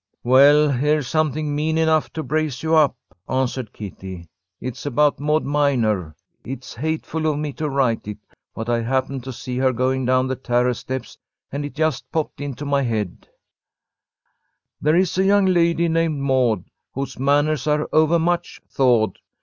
"Well, here's something mean enough to brace you up," answered Kitty. "It's about Maud Minor. It's hateful of me to write it, but I happened to see her going down the terrace steps and it just popped into my head: "There is a young lady named Maud, Whose manners are overmuch thawed.